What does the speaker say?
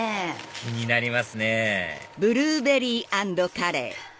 気になりますねあっ！